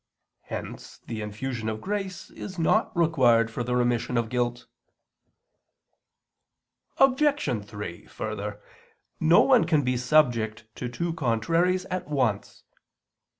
Hence the infusion of grace is not required for the remission of guilt. Obj. 3: Further, no one can be subject to two contraries at once.